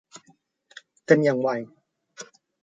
เต็มอย่างไว